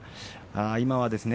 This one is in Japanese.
今ですね